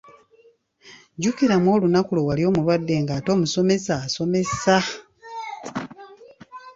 Jjukiramu olunaku lwe wali omulwadde ng'ate omusomesa asomesa!